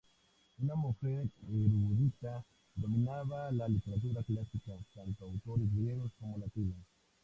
Una mujer erudita, dominaba la literatura clásica, tanto autores griegos como latinos.